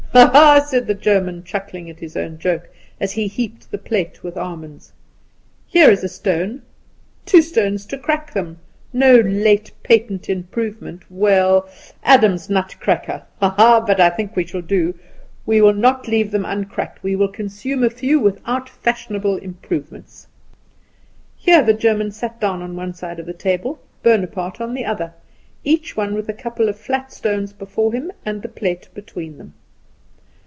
Ha, ha!" said the German, chuckling at his own joke, as he heaped the plate with almonds. "Here is a stone two stones to crack them no late patent improvement well, Adam's nut cracker; ha, ha! But I think we shall do. We will not leave them uncracked. We will consume a few without fashionable improvements." Here the German sat down on one side of the table, Bonaparte on the other; each one with a couple of flat stones before him, and the plate between them.